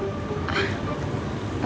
buat apa deh